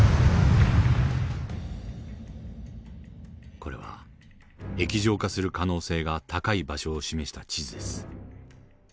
これは液状化する可能性が高い場所を示した地図です。